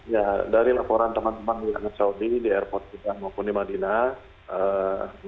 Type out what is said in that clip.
ya dari laporan teman teman di arab saudi di airport kita maupun di madinah